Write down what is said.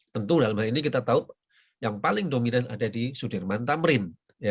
tentu dalam hal ini kita tahu yang paling dominan ada di sudirman tamrin